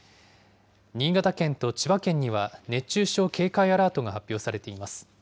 新潟県と千葉県には熱中症警戒アラートが発表されています。